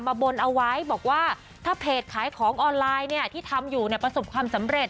บนเอาไว้บอกว่าถ้าเพจขายของออนไลน์เนี่ยที่ทำอยู่ประสบความสำเร็จ